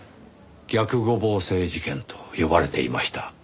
逆五芒星事件と呼ばれていました。